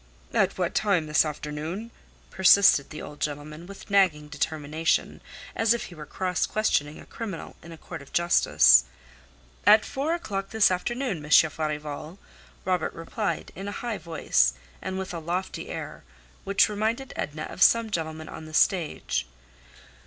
"At what time this afternoon?" persisted the old gentleman, with nagging determination, as if he were cross questioning a criminal in a court of justice. "At four o'clock this afternoon, Monsieur Farival," Robert replied, in a high voice and with a lofty air, which reminded Edna of some gentleman on the stage.